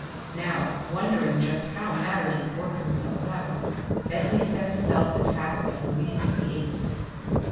Now, wondering just how matters would work themselves out, Bentley set himself the task of releasing the apes.